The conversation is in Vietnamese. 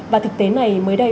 và thực tế này mới đây